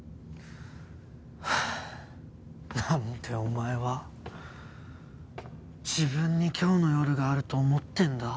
なんでお前は自分に今日の夜があると思ってんだ？